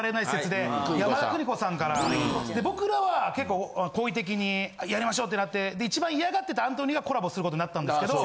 で山田邦子さんから僕らは結構好意的にやりましょうってなって一番嫌がってたアントニーがコラボすることなったんですけど。